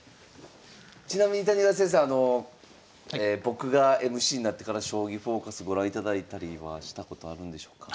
ちなみに谷川先生僕がＭＣになってから「将棋フォーカス」ご覧いただいたりはしたことあるんでしょうか？